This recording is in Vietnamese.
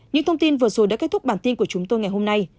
những thông tin vừa rồi đã kết thúc bản tin của chúng tôi ngày hôm nay